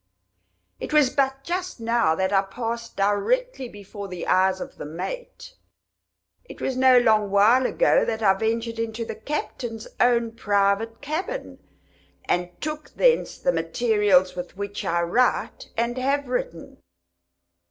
It was but just now that I passed directly before the eyes of the mate; it was no long while ago that I ventured into the captain's own private cabin, and took thence the materials with which I write, and have written.